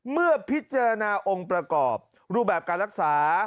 เมื่อพิจารณาองค์ประกอบรูปแบบการรักษา